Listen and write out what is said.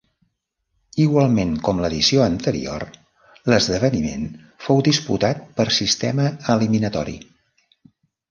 Igualment com l'edició anterior, l'esdeveniment fou disputat per sistema eliminatori.